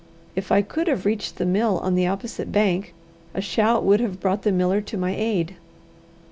If I could have reached the mill on the opposite bank, a shout would have brought the miller to my aid.